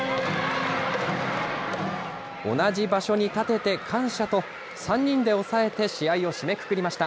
同じ場所に立てて感謝と、３人で抑えて試合を締めくくりました。